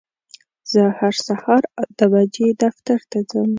زه هر سهار اته بجې دفتر ته ځم.